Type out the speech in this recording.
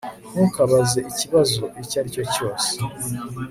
Ntukabaze ikibazo icyo ari cyo cyose